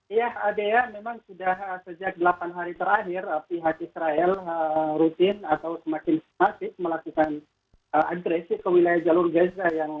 iya adea memang sudah sejak delapan hari terakhir pihak israel rutin atau semakin masif melakukan agresi ke wilayah jalur gaza